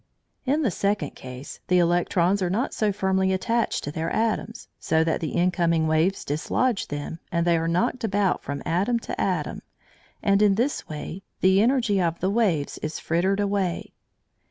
] In the second case, the electrons are not so firmly attached to their atoms, so that the incoming waves dislodge them, and they are knocked about from atom to atom, and in this way the energy of the waves is frittered away.